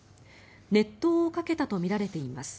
熱湯をかけたとみられています。